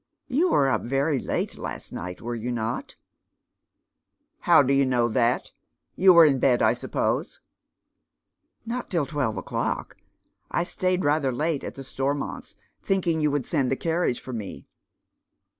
" You were up very late last night, were you not ?"" How do you know that ? You wei <^ in bed, I suppose ?"_" Not till twelve o'clock. I stayed ratho» late at the Stormonta, thinking you would send the carriage for me."